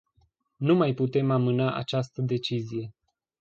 Nu mai putem amâna această decizie.